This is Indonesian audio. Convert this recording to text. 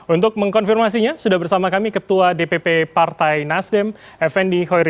untuk mengkonfirmasinya sudah bersama kami ketua dpp partai nasdem fnd khoiri